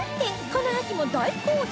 この秋も大好評！